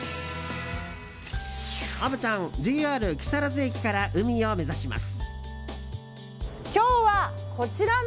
虻ちゃん、ＪＲ木更津駅から海を目指します。